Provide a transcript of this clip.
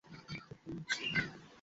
তারপর আরেকটা ছবিতে একই অবস্থা দেখলাম।